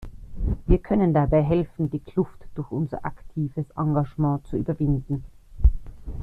Wir können dabei helfen, die Kluft durch unser aktives Engagement zu überwinden.